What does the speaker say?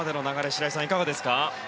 白井さん、いかがですか？